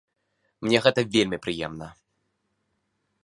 Мне гэта вельмі прыемна.